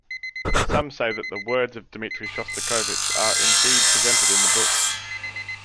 Some say that the words of Dmitri Shostakovich are indeed presented in the book.